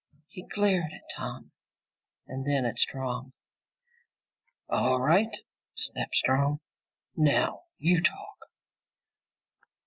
He glared at Tom and then at Strong. "All right," snapped Strong. "Now you talk!"